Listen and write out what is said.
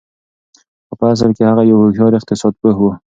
خو په اصل کې هغه يو هوښيار اقتصاد پوه و.